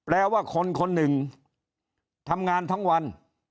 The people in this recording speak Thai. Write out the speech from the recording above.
ว่าคนคนหนึ่งทำงานทั้งวัน